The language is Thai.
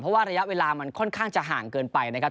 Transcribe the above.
เพราะว่าระยะเวลามันค่อนข้างจะห่างเกินไปนะครับ